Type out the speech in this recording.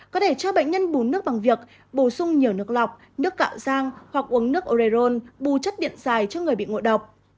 có thể cho bệnh nhân bùn nước bằng việc bổ sung nhiều nước lọc nước cạo giang hoặc uống nước oreon bù chất điện dài cho người bị ngộ độc